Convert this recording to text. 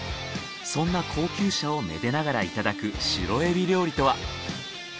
そんな高級車をめでながらいただくシロエビ料理とは？